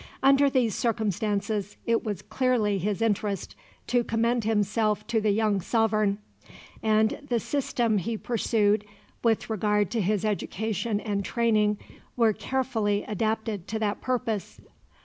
Under these circumstances it was clearly his interest to commend himself to the young sovereign, and the system he pursued with regard to his education and training were carefully adapted to that purpose.